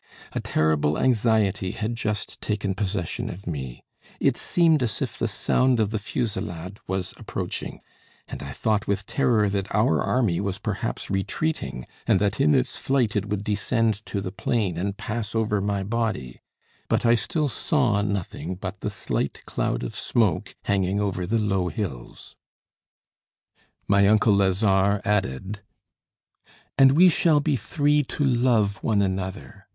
A terrible anxiety had just taken possession of me; it, seemed as if the sound of the fusillade was approaching, and I thought with terror that our army was perhaps retreating, and that in its flight it would descend to the plain and pass over my body. But I still saw nothing but the slight cloud, of smoke hanging over the low hills. My uncle Lazare added: "And we shall be three to love one another.